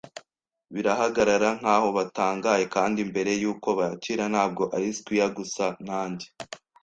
Barahagarara nkaho batangaye, kandi mbere yuko bakira, ntabwo ari squire gusa nanjye,